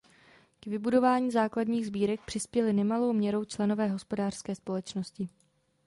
K vybudování základních sbírek přispěli nemalou měrou členové Hospodářské společnosti.